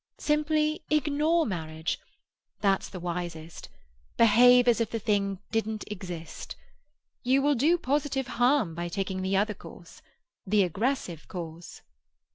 Simply ignore marriage—that's the wisest. Behave as if the thing didn't exist. You will do positive harm by taking the other course—the aggressive course."